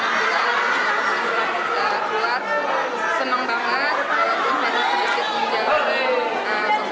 kita bersyukur kita keluar